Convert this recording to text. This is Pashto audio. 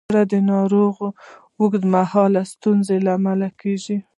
د زړه ناروغۍ د اوږد مهاله ستونزو لامل کېږي.